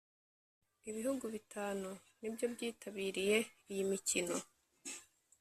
Ibihugu bitanu nibyo byitabiriye iyi mikino